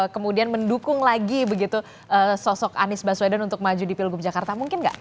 kemudian mendukung lagi begitu sosok anies baswedan untuk maju di pilgub jakarta mungkin nggak